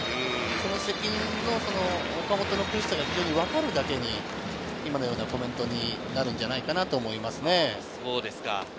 その責任、岡本の苦しさが非常にわかるだけに、今のようなコメントになるんじゃないかなと思います。